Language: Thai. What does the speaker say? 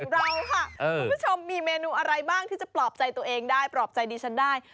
เราค่ะคุณผู้ชมมีเมนูอะไรบ้างที่จะปลอบใจตัวเองได้ปลอบใจดิฉันได้